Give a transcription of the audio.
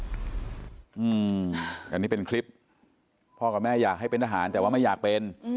อันนี้เป็นคลิปพ่อกับแม่อยากให้เป็นทหารแต่ว่าไม่อยากเป็น